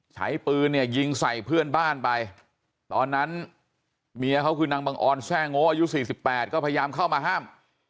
ใช้ปืนเนี่ยยิงใส่เพื่อนบ้านไปตอนนั้นเมียเขาคือนางบังออนแทร่งโง่อายุ๔๘ก็พยายามเข้ามาห้าม